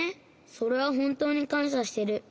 それはほんとうにかんしゃしてる。